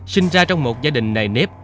sinh ra trong một gia đình nề nếp